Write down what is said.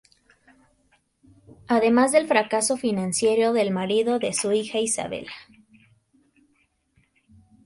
Además del fracaso financiero del marido de su hija Isabella.